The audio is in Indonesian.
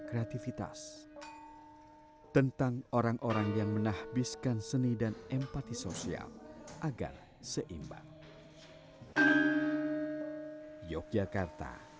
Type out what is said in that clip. kreativitas tentang orang orang yang menahbiskan seni dan empati sosial agar seimbang yogyakarta